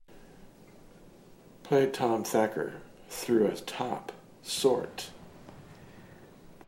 Play Tom Thacker through a top sort.